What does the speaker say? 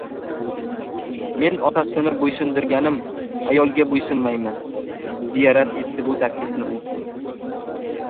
— Men otasini bo‘ysundirganim ayolga bo‘ysunmayman, — deya rad etdi bu taklifni u.